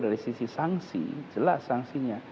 dari sisi sangsi jelas sangsinya